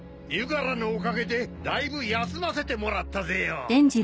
ゆがらのおかげでだいぶ休ませてもらったぜよ。